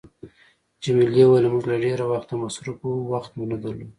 جميلې وويل: موږ له ډېره وخته مصروفه وو، وخت مو نه درلود.